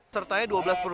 sertai dua belas perpintu